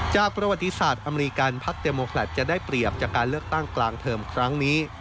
ประวัติศาสตร์อเมริกันพักเตโมแคลตจะได้เปรียบจากการเลือกตั้งกลางเทอมครั้งนี้